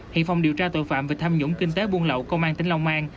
hiện phòng điều tra tội phạm về tham nhũng kinh tế buôn lậu công an tỉnh long an